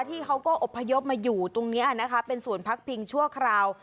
ที่เขาก็อบพยพมาอยู่ตรงนี้นะคะเป็นศูนย์พักพิงชั่วคราว